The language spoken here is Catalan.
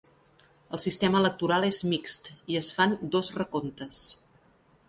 El sistema electoral és mixt i es fan dos recomptes.